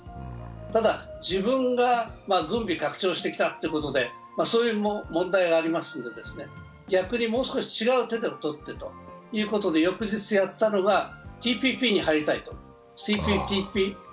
ただ自分が軍備拡張をしてきたということで、それも問題ありますので、逆にもう少し違う手をとってと、翌日やったのが、ＴＰＰに入りたいＣＰＴＰＰ。